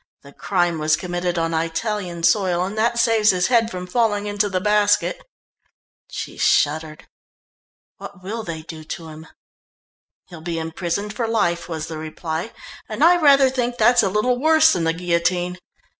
The crime was committed on Italian soil and that saves his head from falling into the basket." She shuddered. "What will they do to him?" "He'll be imprisoned for life," was the reply "and I rather think that's a little worse than the guillotine.